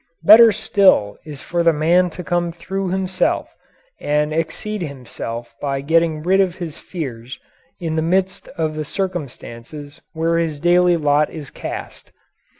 Better still is for the man to come through himself and exceed himself by getting rid of his fears in the midst of the circumstances where his daily lot is cast.